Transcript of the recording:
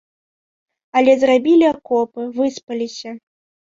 Але зрабілі акопы, выспаліся.